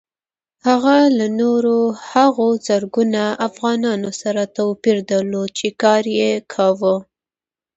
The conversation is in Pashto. هغه له نورو هغو زرګونه ځوانانو سره توپير درلود چې کار يې کاوه.